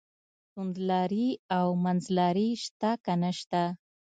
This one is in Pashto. توندلاري او منځلاري شته که نشته.